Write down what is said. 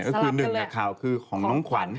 ก็คือหนึ่งข่าวคือของน้องขวัญ